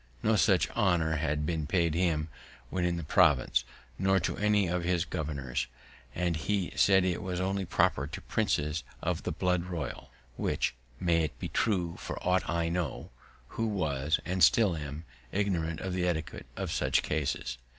No such honour had been paid him when in the province, nor to any of his governors; and he said it was only proper to princes of the blood royal, which may be true for aught I know, who was, and still am, ignorant of the etiquette in such cases.